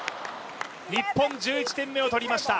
日本、１１点目を取りました。